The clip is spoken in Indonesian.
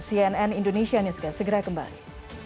cnn indonesia newscast segera kembali